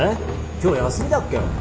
今日休みだっけ？